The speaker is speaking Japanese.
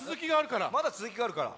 まだつづきがあるから。